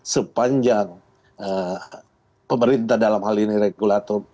sepanjang pemerintah dalam hal ini regulatur